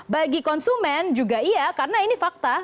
bagi konsumen juga iya karena ini fakta